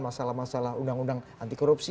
masalah masalah undang undang anti korupsi